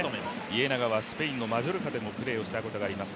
家長はスペインのマジョルカでもプレーしたことがあります。